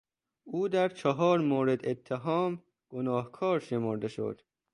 او در چهار مورد اتهام گناهکار شمرده شد.